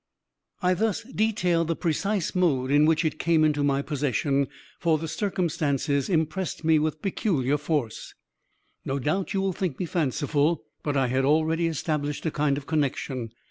I thus detail the precise mode in which it came into my possession; for the circumstances impressed me with peculiar force. "No doubt you will think me fanciful but I had already established a kind of connection.